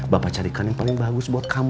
bapak carikan yang paling bagus buat kamu